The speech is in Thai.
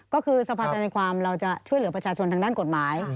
ก็คือสภาธนาความเราจะช่วยเหลือประชาชนทางด้านกฎหมาย